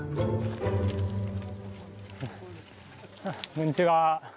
こんにちは。